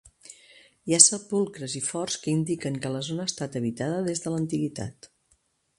Hi ha sepulcres i forts que indiquen que la zona ha estat habitada des de l'antiguitat.